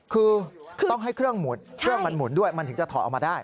คือต้องให้เครื่องหมุดเครื่องมันหุ่นด้วยมันถึงจะถอดออกมาได้